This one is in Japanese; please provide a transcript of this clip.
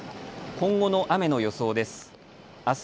今後の雨の予想です。